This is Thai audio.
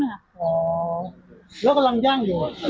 อ๋อแล้วกำลังย่างอยู่อะ